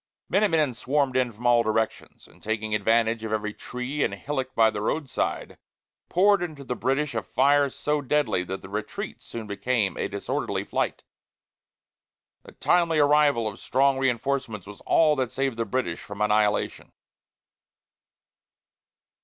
Minute men swarmed in from all directions, and taking advantage of every tree and hillock by the roadside, poured into the British a fire so deadly that the retreat soon became a disorderly flight. The timely arrival of strong reinforcements was all that saved the British from annihilation.